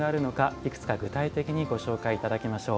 いくつか具体的にご紹介いただきましょう。